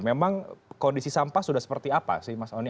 memang kondisi sampah sudah seperti apa sih mas oni